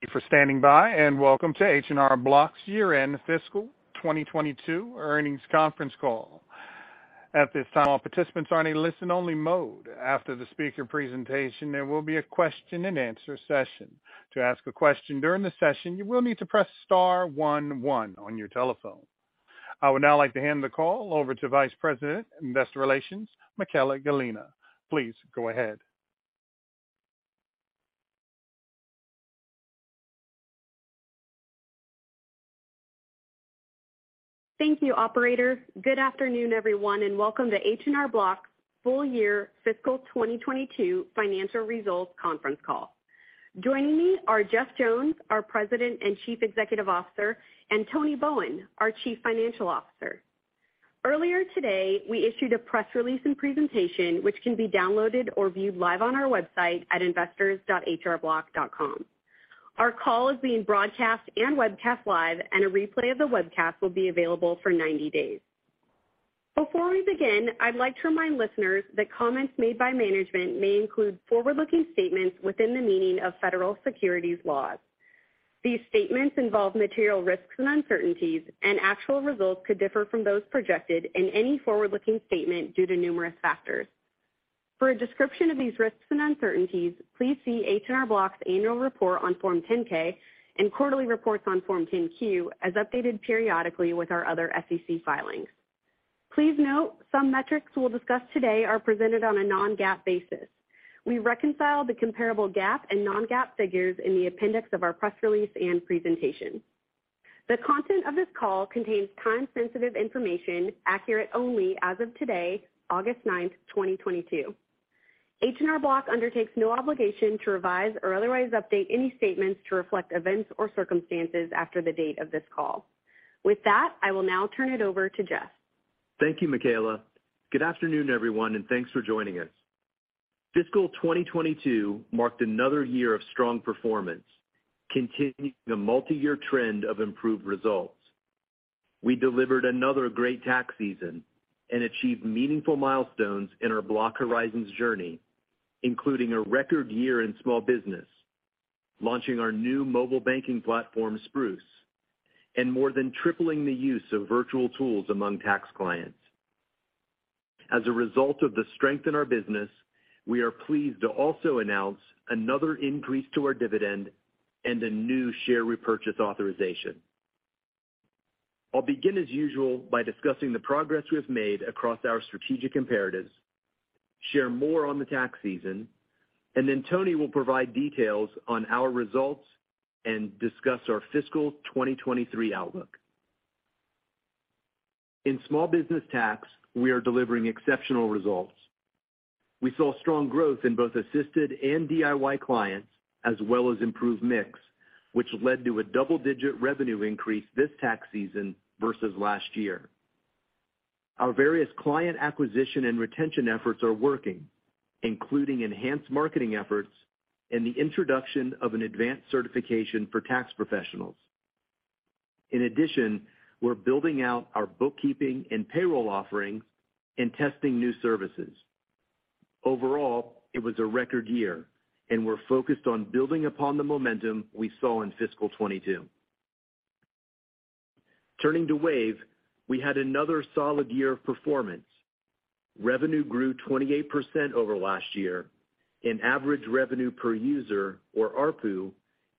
Thank you for standing by, and welcome to H&R Block's year-end fiscal 2022 earnings conference call. At this time, all participants are in a listen-only mode. After the speaker presentation, there will be a question-and-answer session. To ask a question during the session, you will need to press star one one on your telephone. I would now like to hand the call over to Vice President, Investor Relations, Michaella Gallina. Please go ahead. Thank you, operator. Good afternoon, everyone, and welcome to H&R Block's full year fiscal 2022 financial results conference call. Joining me are Jeff Jones, our President and Chief Executive Officer, and Tony Bowen, our Chief Financial Officer. Earlier today, we issued a press release and presentation which can be downloaded or viewed live on our website at investors.hrblock.com. Our call is being broadcast and webcast live, and a replay of the webcast will be available for 90 days. Before we begin, I'd like to remind listeners that comments made by management may include forward-looking statements within the meaning of federal securities laws. These statements involve material risks and uncertainties, and actual results could differ from those projected in any forward-looking statement due to numerous factors. For a description of these risks and uncertainties, please see H&R Block's annual report on Form 10K and quarterly reports on Form 10Q as updated periodically with our other SEC filings. Please note, some metrics we'll discuss today are presented on a non-GAAP basis. We reconcile the comparable GAAP and non-GAAP figures in the appendix of our press release and presentation. The content of this call contains time-sensitive information, accurate only as of today, August 9, 2022. H&R Block undertakes no obligation to revise or otherwise update any statements to reflect events or circumstances after the date of this call. With that, I will now turn it over to Jeff. Thank you, Michaella. Good afternoon, everyone, and thanks for joining us. Fiscal 2022 marked another year of strong performance, continuing a multi-year trend of improved results. We delivered another great tax season and achieved meaningful milestones in our Block Horizons journey, including a record year in small business, launching our new mobile banking platform, Spruce, and more than tripling the use of virtual tools among tax clients. As a result of the strength in our business, we are pleased to also announce another increase to our dividend and a new share repurchase authorization. I'll begin as usual by discussing the progress we have made across our strategic imperatives, share more on the tax season, and then Tony will provide details on our results and discuss our fiscal 2023 outlook. In small business tax, we are delivering exceptional results. We saw strong growth in both assisted and DIY clients, as well as improved mix, which led to a double-digit revenue increase this tax season versus last year. Our various client acquisition and retention efforts are working, including enhanced marketing efforts and the introduction of an advanced certification for tax professionals. In addition, we're building out our book keeping and payroll offerings and testing new services. Overall, it was a record year, and we're focused on building upon the momentum we saw in fiscal 2022. Turning to Wave, we had another solid year of performance. Revenue grew 28% over last year, and average revenue per user, or ARPU,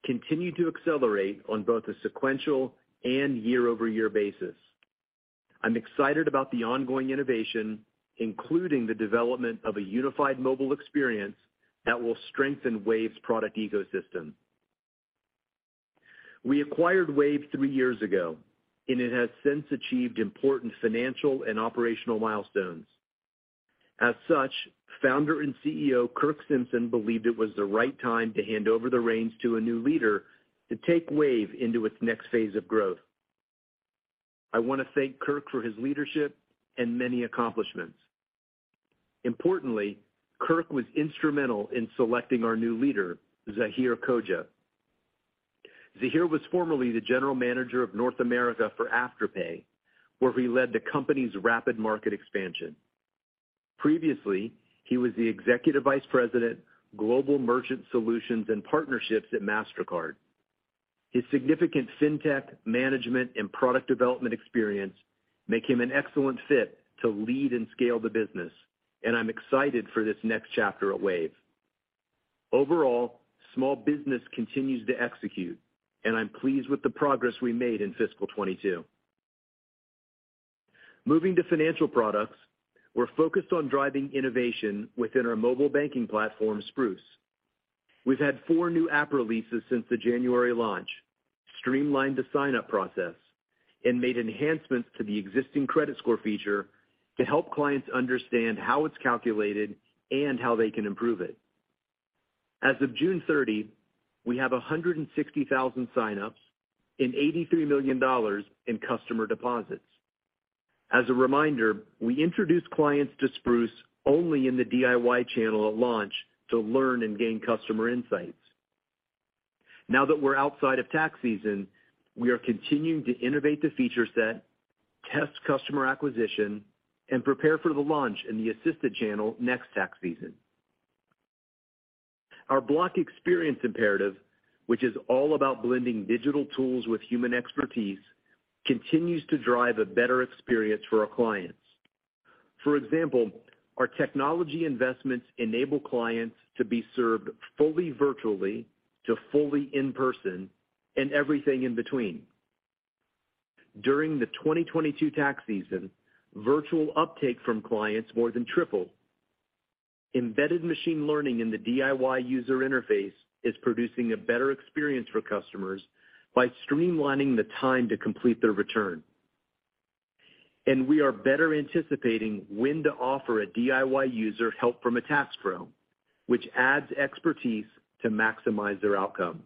continued to accelerate on both a sequential and year-over-year basis. I'm excited about the ongoing innovation, including the development of a unified mobile experience that will strengthen Wave's product ecosystem. We acquired Wave three years ago, and it has since achieved important financial and operational milestones. As such, Founder and CEO Kirk Simpson believed it was the right time to hand over the reins to a new leader to take Wave into its next phase of growth. I wanna thank Kirk for his leadership and many accomplishments. Importantly, Kirk was instrumental in selecting our new leader, Zahir Khoja. Zahir was formerly the General Manager of North America for Afterpay, where he led the company's rapid market expansion. Previously, he was the Executive Vice President, Global Merchant Solutions and Partnerships at Mastercard. His significant fintech management and product development experience make him an excellent fit to lead and scale the business, and I'm excited for this next chapter at Wave. Overall, small business continues to execute, and I'm pleased with the progress we made in fiscal 2022. Moving to financial products, we're focused on driving innovation within our mobile banking platform, Spruce. We've had four new app releases since the January launch, streamlined the sign-up process, and made enhancements to the existing credit score feature to help clients understand how it's calculated and how they can improve it. As of June 30, we have 160,000 sign-ups and $83 million in customer deposits. As a reminder, we introduced clients to Spruce only in the DIY channel at launch to learn and gain customer insights. Now that we're outside of tax season, we are continuing to innovate the feature set, test customer acquisition, and prepare for the launch in the assisted channel next tax season. Our Block Experience Imperative, which is all about blending digital tools with human expertise, continues to drive a better experience for our clients. For example, our technology investments enable clients to be served fully virtually to fully in-person and everything in between. During the 2022 tax season, virtual uptake from clients more than tripled. Embedded machine learning in the DIY user interface is producing a better experience for customers by streamlining the time to complete their return. We are better anticipating when to offer a DIY user help from a Tax Pro, which adds expertise to maximize their outcome.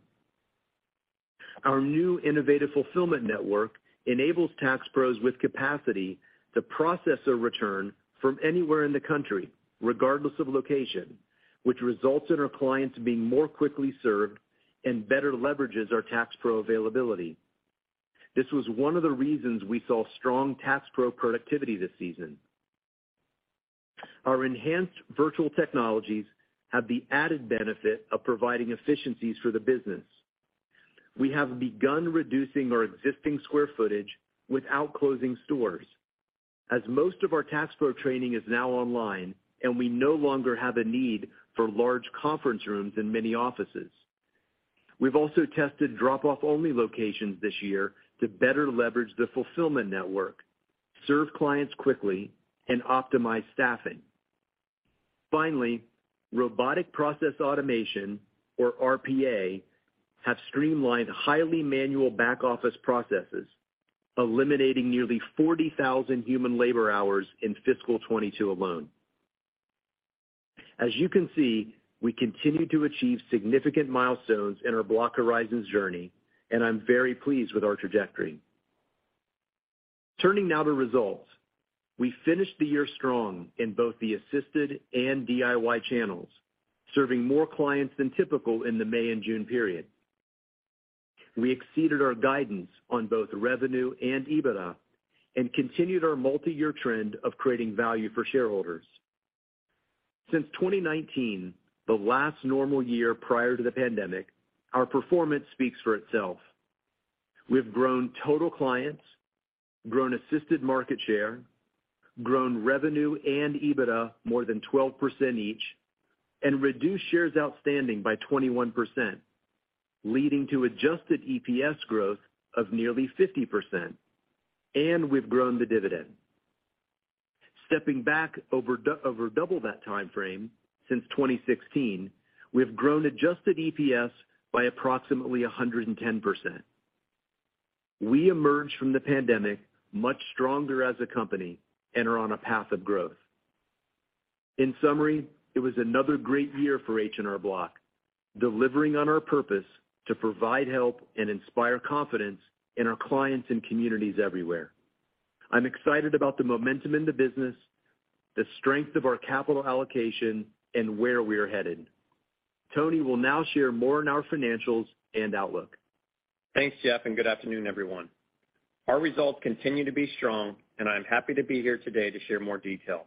Our new innovative fulfillment network enables Tax Pros with capacity to process a return from anywhere in the country, regardless of location, which results in our clients being more quickly served and better leverages our Tax Pro availability. This was one of the reasons we saw strong Tax Pro productivity this season. Our enhanced virtual technologies have the added benefit of providing efficiencies for the business. We have begun reducing our existing square footage without closing stores, as most of our Tax Pro training is now online and we no longer have a need for large conference rooms in many offices. We've also tested drop-off only locations this year to better leverage the fulfillment network, serve clients quickly and optimize staffing. Finally, robotic process automation, or RPA, have streamlined highly manual back-office processes, eliminating nearly 40,000 human labor hours in fiscal 2022 alone. As you can see, we continue to achieve significant milestones in our Block Horizons journey, and I'm very pleased with our trajectory. Turning now to results. We finished the year strong in both the assisted and DIY channels, serving more clients than typical in the May and June period. We exceeded our guidance on both revenue and EBITDA and continued our multi-year trend of creating value for shareholders. Since 2019, the last normal year prior to the pandemic, our performance speaks for itself. We've grown total clients, grown assisted market share, grown revenue and EBITDA more than 12% each, and reduced shares outstanding by 21%, leading to adjusted EPS growth of nearly 50%, and we've grown the dividend. Stepping back over double that time frame, since 2016, we have grown adjusted EPS by approximately 110%. We emerged from the pandemic much stronger as a company and are on a path of growth. In summary, it was another great year for H&R Block, delivering on our purpose to provide help and inspire confidence in our clients and communities everywhere. I'm excited about the momentum in the business, the strength of our capital allocation, and where we are headed. Tony will now share more on our financials and outlook. Thanks, Jeff, and good afternoon, everyone. Our results continue to be strong and I'm happy to be here today to share more detail.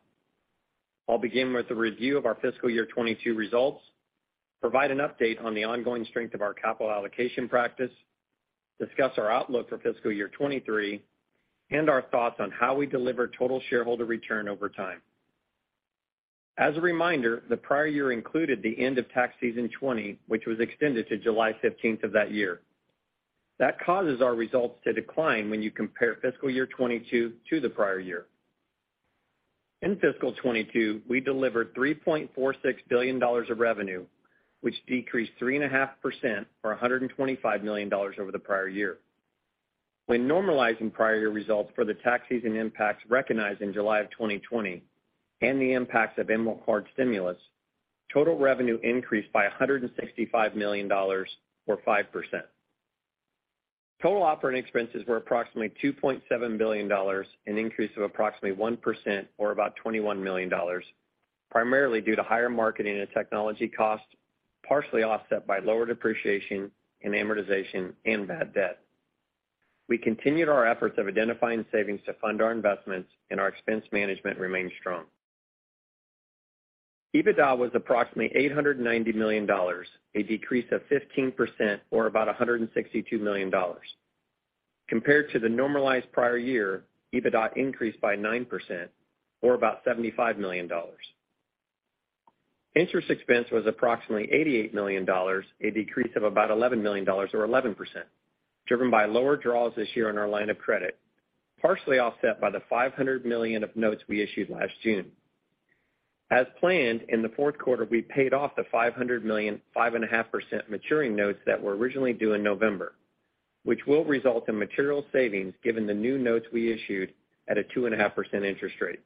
I'll begin with a review of our fiscal year 2022 results, provide an update on the ongoing strength of our capital allocation practice, discuss our outlook for fiscal year 2023, and our thoughts on how we deliver total shareholder return over time. As a reminder, the prior year included the end of tax season 2020, which was extended to July 15th of that year. That causes our results to decline when you compare fiscal year 2022 to the prior year. In fiscal 2022, we delivered $3.46 billion of revenue, which decreased 3.5% or $125 million over the prior year. When normalizing prior year results for the tax season impacts recognized in July 2020 and the impacts of CARES Act stimulus, total revenue increased by $165 million or 5%. Total operating expenses were approximately $2.7 billion, an increase of approximately 1% or about $21 million, primarily due to higher marketing and technology costs, partially offset by lower depreciation and amortization and bad debt. We continued our efforts of identifying savings to fund our investments and our expense management remained strong. EBITDA was approximately $890 million, a decrease of 15% or about $162 million. Compared to the normalized prior year, EBITDA increased by 9% or about $75 million. Interest expense was approximately $88 million, a decrease of about $11 million or 11%, driven by lower draws this year on our line of credit, partially offset by the $500 million of notes we issued last June. As planned, in the fourth quarter, we paid off the $500 million, 5.5% maturing notes that were originally due in November, which will result in material savings given the new notes we issued at a 2.5% interest rate.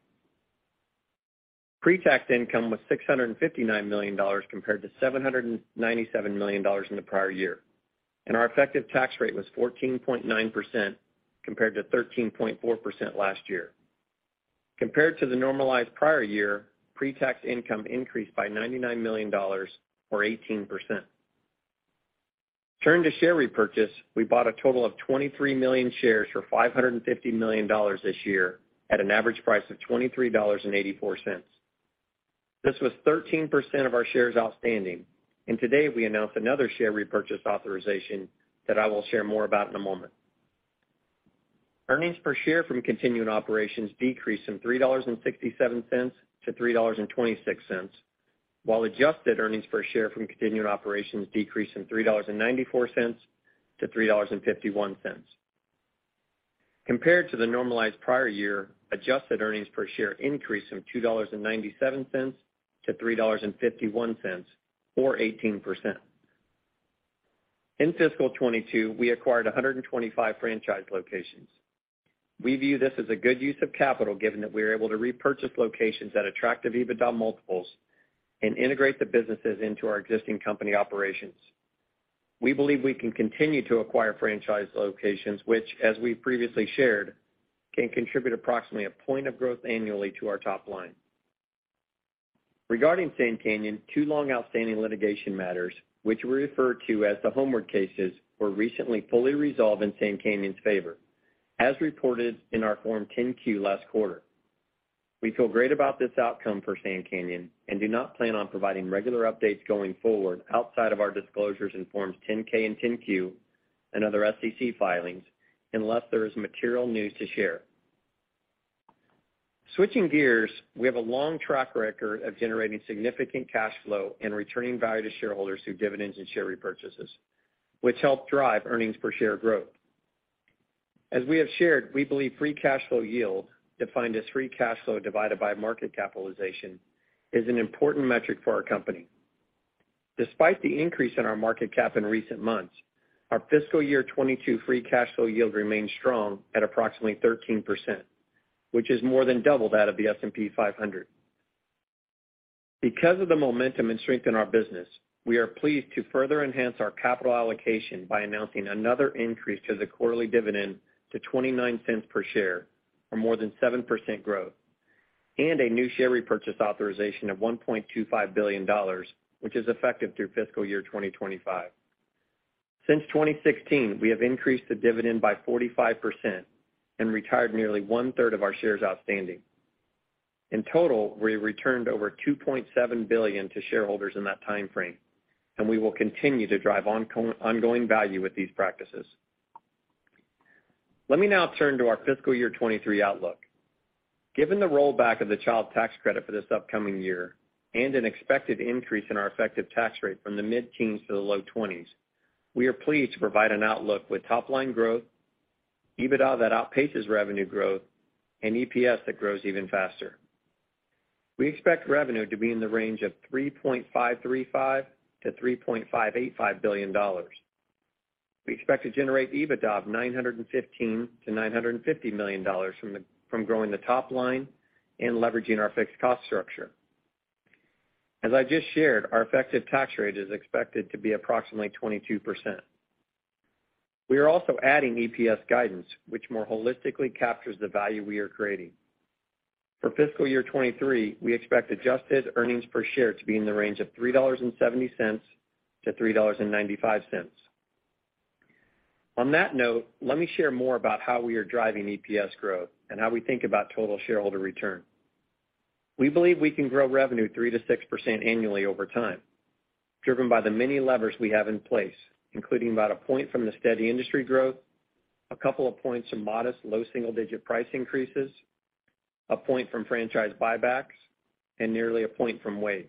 Pre-tax income was $659 million compared to $797 million in the prior year, and our effective tax rate was 14.9% compared to 13.4% last year. Compared to the normalized prior year, pre-tax income increased by $99 million or 18%. Turning to share repurchase, we bought a total of 23 million shares for $550 million this year at an average price of $23.84. This was 13% of our shares outstanding, and today we announced another share repurchase authorization that I will share more about in a moment. Earnings per share from continuing operations decreased from $3.67 to $3.26, while adjusted earnings per share from continuing operations decreased from $3.94 to $3.51. Compared to the normalized prior year, adjusted earnings per share increased from $2.97 to $3.51 or 18%. In fiscal 2022, we acquired 125 franchise locations. We view this as a good use of capital, given that we are able to repurchase locations at attractive EBITDA multiples and integrate the businesses into our existing company operations. We believe we can continue to acquire franchise locations which, as we previously shared, can contribute approximately a point of growth annually to our top line. Regarding Sand Canyon, two long-outstanding litigation matters, which we refer to as the Homeward cases, were recently fully resolved in Sand Canyon's favor, as reported in our Form 10Q last quarter. We feel great about this outcome for Sand Canyon and do not plan on providing regular updates going forward outside of our disclosures in Forms 10-K and 10Q and other SEC filings unless there is material news to share. Switching gears, we have a long track record of generating significant cash flow and returning value to shareholders through dividends and share repurchases, which help drive earnings per share growth. As we have shared, we believe free cash flow yield, defined as free cash flow divided by market capitalization, is an important metric for our company. Despite the increase in our market cap in recent months, our fiscal year 2022 free cash flow yield remains strong at approximately 13%, which is more than double that of the S&P 500. Because of the momentum and strength in our business, we are pleased to further enhance our capital allocation by announcing another increase to the quarterly dividend to $0.29 per share or more than 7% growth, and a new share repurchase authorization of $1.25 billion, which is effective through fiscal year 2025. Since 2016, we have increased the dividend by 45% and retired nearly one-third of our shares outstanding. In total, we returned over $2.7 billion to shareholders in that timeframe, and we will continue to drive ongoing value with these practices. Let me now turn to our fiscal year 2023 outlook. Given the rollback of the child tax credit for this upcoming year and an expected increase in our effective tax rate from the mid-teens to the low twenties, we are pleased to provide an outlook with top line growth, EBITDA that outpaces revenue growth, and EPS that grows even faster. We expect revenue to be in the range of $3.535 billion to $3.585 billion. We expect to generate EBITDA of $915 million to $950 million from growing the top line and leveraging our fixed cost structure. And as I just shared, our effective tax rate is expected to be approximately 22%. We are also adding EPS guidance, which more holistically captures the value we are creating. For fiscal year 2023, we expect adjusted earnings per share to be in the range of $3.70 to $3.95. On that note, let me share more about how we are driving EPS growth and how we think about total shareholder return. We believe we can grow revenue 3% to 6% annually over time, driven by the many levers we have in place, including about a point from the steady industry growth, a couple of points from modest low single-digit price increases, a point from franchise buybacks, and nearly a point from Wave.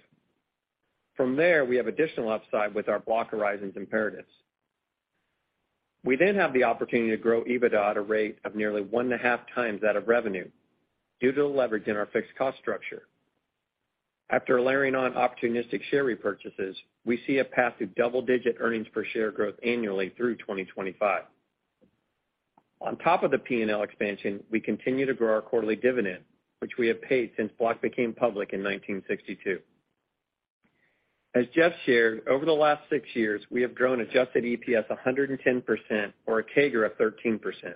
From there, we have additional upside with our Block Horizons imperatives. We then have the opportunity to grow EBITDA at a rate of nearly 1.5 times that of revenue due to the leverage in our fixed cost structure. After layering on opportunistic share repurchases, we see a path to double-digit earnings per share growth annually through 2025. On top of the P&L expansion, we continue to grow our quarterly dividend, which we have paid since Block became public in 1962. As Jeff shared, over the last six years, we have grown adjusted EPS 110% or a CAGR of 13%.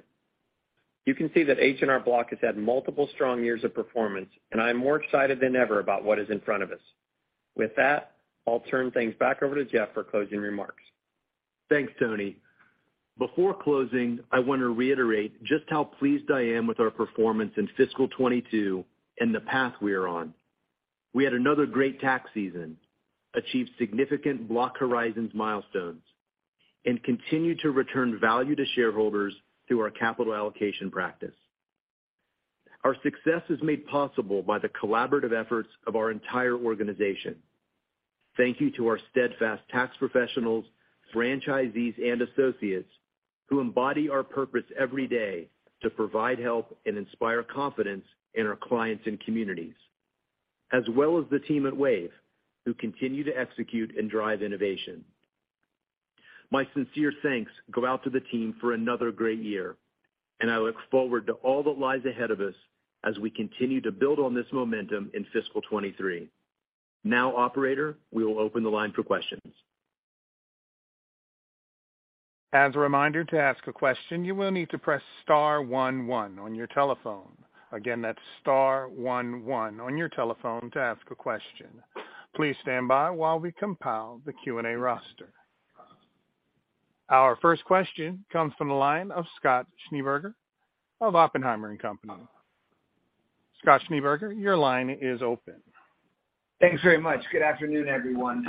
You can see that H&R Block has had multiple strong years of performance, and I am more excited than ever about what is in front of us. With that, I'll turn things back over to Jeff for closing remarks. Thanks, Tony. Before closing, I want to reiterate just how pleased I am with our performance in fiscal 2022 and the path we are on. We had another great tax season, achieved significant Block Horizons milestones, and continued to return value to shareholders through our capital allocation practice. Our success is made possible by the collaborative efforts of our entire organization. Thank you to our steadfast tax professionals, franchisees, and associates who embody our purpose every day to provide help and inspire confidence in our clients and communities, as well as the team at Wave, who continue to execute and drive innovation. My sincere thanks go out to the team for another great year, and I look forward to all that lies ahead of us as we continue to build on this momentum in fiscal 2023. Now, operator, we will open the line for questions. As a reminder, to ask a question, you will need to press star one one on your telephone. Again, that's star one one on your telephone to ask a question. Please stand by while we compile the Q&A roster. Our first question comes from the line of Scott Schneeberger of Oppenheimer & Co. Scott Schneeberger, your line is open. Thanks very much. Good afternoon, everyone.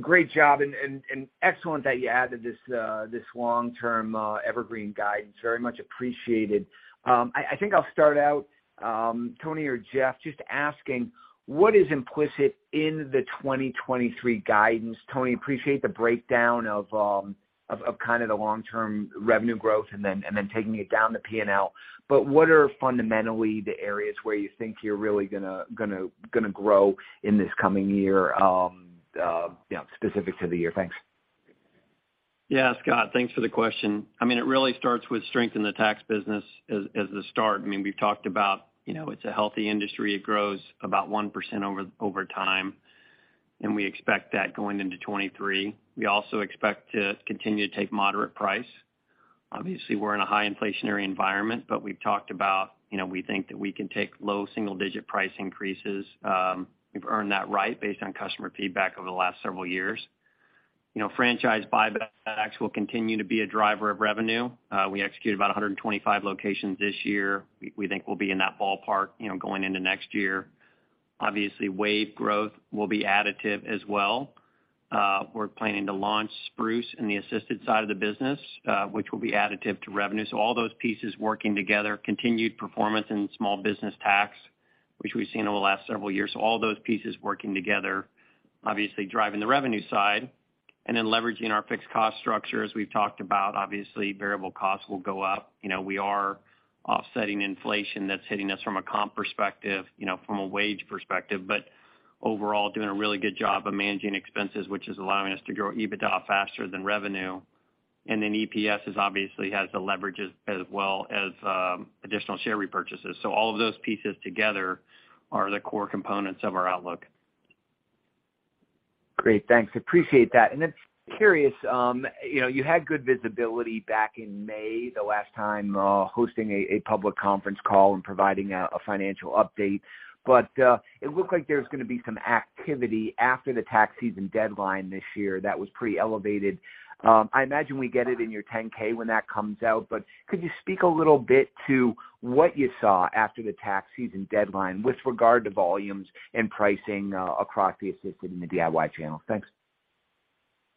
Great job and excellent that you added this long-term evergreen guidance. Very much appreciated. I think I'll start out, Tony or Jeff, just asking what is implicit in the 2023 guidance? Tony, appreciate the breakdown of kind of the long-term revenue growth and then taking it down the P&L. But what are fundamentally the areas where you think you're really gonna grow in this coming year, you know, specific to the year? Thanks. Yeah. Scott, thanks for the question. I mean, it really starts with strength in the tax business as the start. I mean, we've talked about, you know, it's a healthy industry. It grows about 1% over time, and we expect that going into 2023. We also expect to continue to take moderate price. Obviously, we're in a high inflationary environment, but we've talked about, you know, we think that we can take low single-digit price increases. We've earned that right based on customer feedback over the last several years. You know, franchise buybacks will continue to be a driver of revenue. We executed about 125 locations this year. We think we'll be in that ballpark, you know, going into next year. Obviously, Wave growth will be additive as well. We're planning to launch Spruce in the assisted side of the business, which will be additive to revenue. All those pieces working together, continued performance in small business tax, which we've seen over the last several years. All those pieces working together, obviously driving the revenue side and then leveraging our fixed cost structure, as we've talked about. Obviously, variable costs will go up. You know, we are offsetting inflation that's hitting us from a comp perspective, you know, from a wage perspective. Overall, doing a really good job of managing expenses, which is allowing us to grow EBITDA faster than revenue. EPS is obviously has the leverages as well as, additional share repurchases. All of those pieces together are the core components of our outlook. Great. Thanks. Appreciate that. Just curious, you know, you had good visibility back in May, the last time hosting a public conference call and providing a financial update. But it looked like there's gonna be some activity after the tax season deadline this year that was pretty elevated. I imagine we get it in your 10-K when that comes out, but could you speak a little bit to what you saw after the tax season deadline with regard to volumes and pricing across the assisted and the DIY channel? Thanks.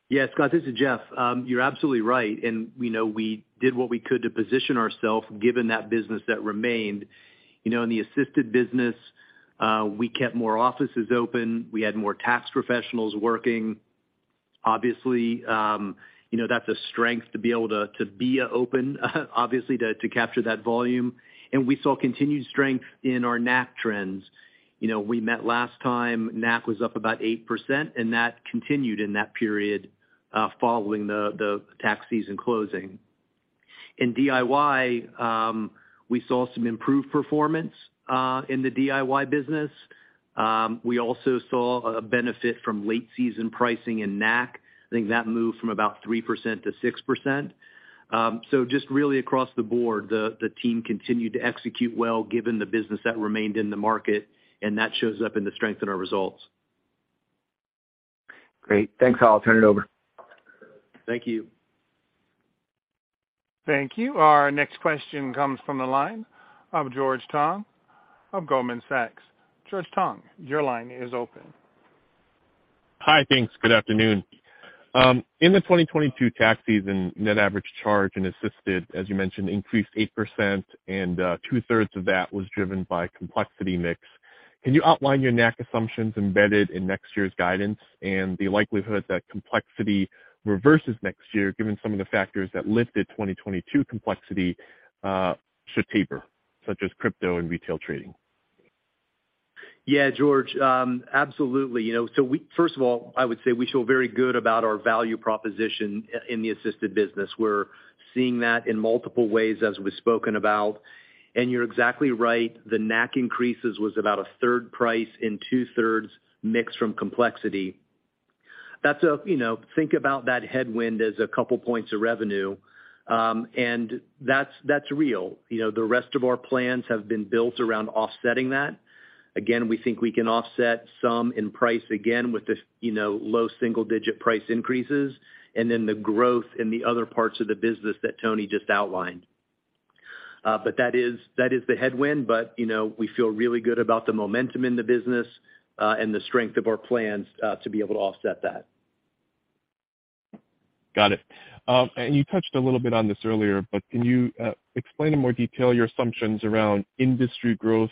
Yeah, Scott, this is Jeff. You're absolutely right. We know we did what we could to position ourself given that business that remained. You know, in the assisted business, we kept more offices open. We had more tax professionals working. Obviously, you know, that's a strength to be able to be open, obviously to capture that volume. We saw continued strength in our NAC trends. You know, we met last time, NAC was up about 8%, and that continued in that period following the tax season closing. In DIY, we saw some improved performance in the DIY business. We also saw a benefit from late season pricing in NAC. I think that moved from about 3% to 6%. So just really across the board, the team continued to execute well given the business that remained in the market, and that shows up in the strength in our results. Great. Thanks. I'll turn it over. Thank you. Thank you. Our next question comes from the line of George Tong of Goldman Sachs. George Tong, your line is open. Hi. Thanks. Good afternoon. In the 2022 tax season, net average charge and assisted, as you mentioned, increased 8% and, 2/3 of that was driven by complexity mix. Can you outline your NAC assumptions embedded in next year's guidance and the likelihood that complexity reverses next year, given some of the factors that lifted 2022 complexity should taper, such as crypto and retail trading? Yeah, George, absolutely. You know, first of all, I would say we feel very good about our value proposition in the assisted business. We're seeing that in multiple ways, as we've spoken about. And you're exactly right. The NAC increases was about 1/3 price and 2/3 mix from complexity. That's, you know, think about that headwind as a couple points of revenue, and that's real. You know, the rest of our plans have been built around offsetting that. Again, we think we can offset some in price again with this, you know, low single digit price increases and then the growth in the other parts of the business that Tony just outlined. That is the headwind, but you know, we feel really good about the momentum in the business and the strength of our plans to be able to offset that. Got it. And you touched a little bit on this earlier, but can you explain in more detail your assumptions around industry growth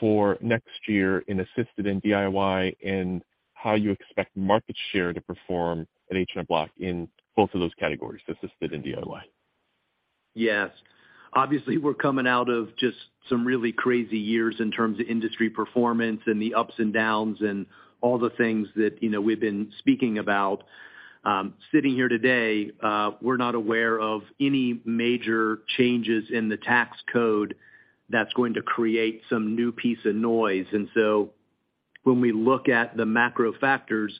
for next year in assisted and DIY and how you expect market share to perform at H&R Block in both of those categories, the assisted and DIY? Yes. Obviously, we're coming out of just some really crazy years in terms of industry performance and the ups and downs and all the things that, you know, we've been speaking about. Sitting here today, we're not aware of any major changes in the tax code that's going to create some new piece of noise. So when we look at the macro factors,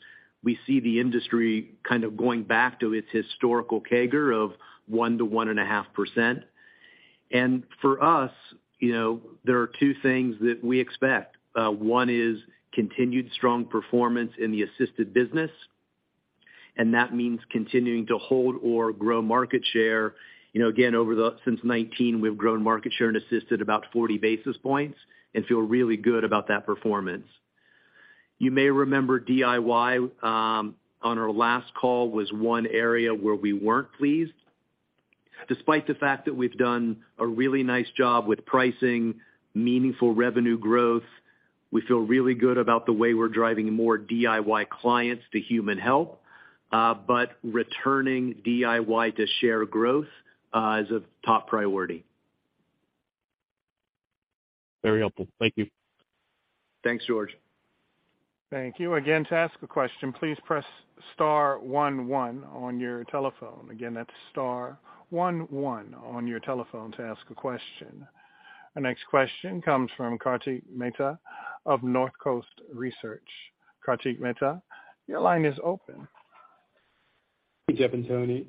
we see the industry kind of going back to its historical CAGR of 1% to 1.5%. And for us, you know, there are two things that we expect. One is continued strong performance in the assisted business, and that means continuing to hold or grow market share. You know, again, since 2019 we've grown market share in assisted about 40 basis points and feel really good about that performance. You may remember DIY, on our last call, was one area where we weren't pleased. Despite the fact that we've done a really nice job with pricing, meaningful revenue growth, we feel really good about the way we're driving more DIY clients to human help, but returning DIY to share growth, is a top priority. Very helpful. Thank you. Thanks, George. Thank you. Again, to ask a question, please press star one one on your telephone. Again, that's star one one on your telephone to ask a question. The next question comes from Kartik Mehta of Northcoast Research. Kartik Mehta, your line is open. Hey, Jeff and Tony.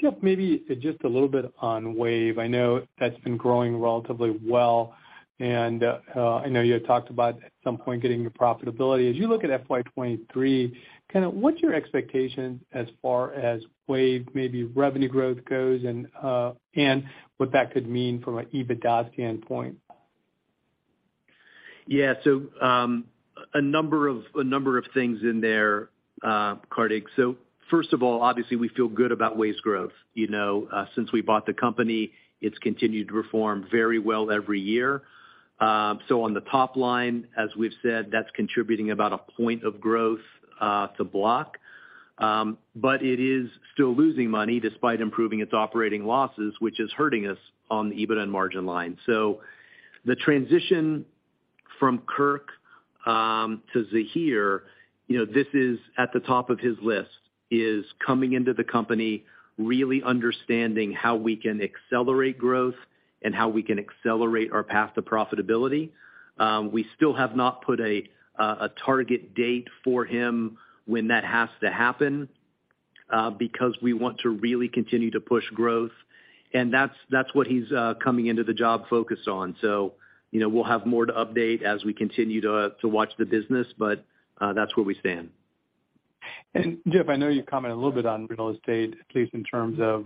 Jeff, maybe just a little bit on Wave. I know that's been growing relatively well, and I know you had talked about at some point getting to profitability. As you look at FY 2023, kinda what's your expectation as far as Wave, maybe revenue growth goes and what that could mean from an EBITDA standpoint? Yeah. So a number of things in there, Kartik. So first of all, obviously we feel good about Wave's growth. You know, since we bought the company, it's continued to perform very well every year. On the top line, as we've said, that's contributing about a point of growth to Block. But it is still losing money despite improving its operating losses, which is hurting us on the EBITDA and margin line. So the transition from Kirk to Zahir, you know, this is at the top of his list, is coming into the company, really understanding how we can accelerate growth and how we can accelerate our path to profitability. We still have not put a target date for him when that has to happen, because we want to really continue to push growth and that's what he's coming into the job focused on. So you know, we'll have more to update as we continue to watch the business, but that's where we stand. Jeff, I know you commented a little bit on real estate, at least in terms of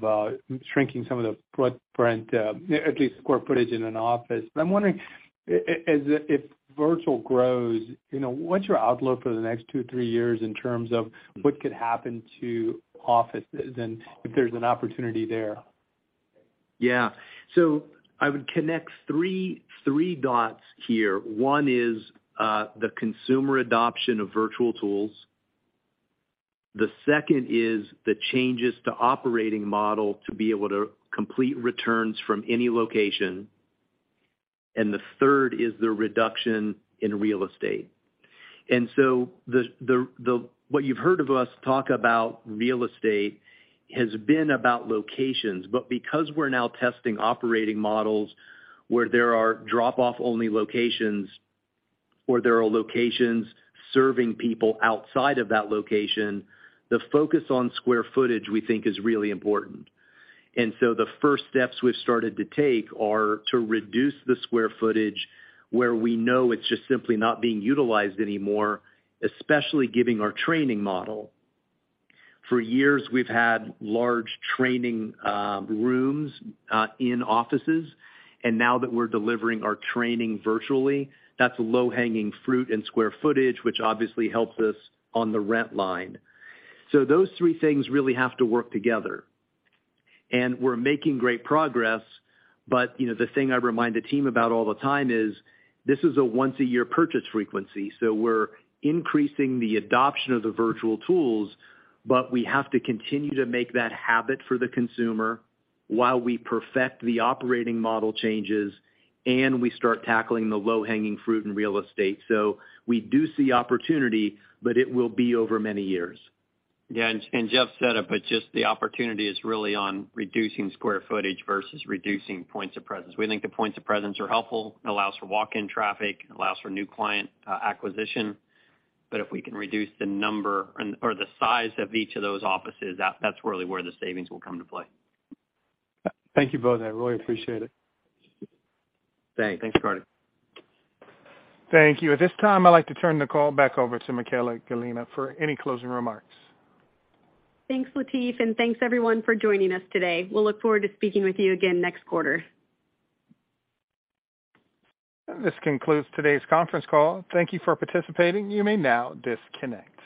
shrinking some of the footprint, at least square footage in an office. I'm wondering, as if virtual grows, you know, what's your outlook for the next two, three years in terms of what could happen to offices and if there's an opportunity there? Yeah. I would connect three dots here. One is, the consumer adoption of virtual tools. The second is the changes to operating model to be able to complete returns from any location. And the third is the reduction in real estate. And so what you've heard of us talk about real estate has been about locations, but because we're now testing operating models where there are drop-off-only locations, or there are locations serving people outside of that location, the focus on square footage, we think, is really important. And so the first steps we've started to take are to reduce the square footage where we know it's just simply not being utilized anymore, especially given our training model. For years, we've had large training rooms in offices, and now that we're delivering our training virtually, that's low-hanging fruit and square footage, which obviously helps us on the rent line. So those three things really have to work together. And we're making great progress, but, you know, the thing I remind the team about all the time is this is a once a year purchase frequency. So we're increasing the adoption of the virtual tools, but we have to continue to make that habit for the consumer while we perfect the operating model changes and we start tackling the low-hanging fruit in real estate. So we do see opportunity, but it will be over many years. Yeah. Jeff said it, but just the opportunity is really on reducing square footage versus reducing points of presence. We think the points of presence are helpful. It allows for walk-in traffic. It allows for new client acquisition. If we can reduce the number or the size of each of those offices, that's really where the savings will come to play. Thank you both. I really appreciate it. Thanks. Thanks, Kartik. Thank you. At this time, I'd like to turn the call back over to Michaella Gallina for any closing remarks. Thanks, Latif, and thanks everyone for joining us today. We'll look forward to speaking with you again next quarter. This concludes today's conference call. Thank you for participating. You may now disconnect.